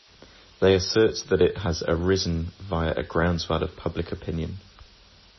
They assert that it has arisen via a groundswell of public opinion.